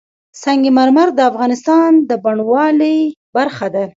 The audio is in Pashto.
سنگ مرمر د افغانستان د بڼوالۍ برخه ده.